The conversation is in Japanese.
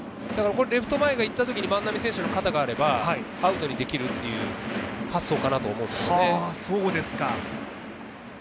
レフト前に行ったときに、万波選手の肩があればアウトにできるという発想かなと思うんですね。